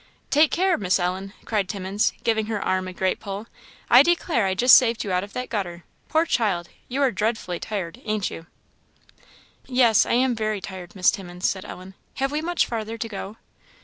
"Take care, Miss Ellen!" cried Timmins, giving her arm a great pull; "I declare I just saved you out of that gutter! Poor child! you are dreadfully tired, ain't you?" "Yes, I am very tired, Miss Timmins," said Ellen; "have we much farther to go?"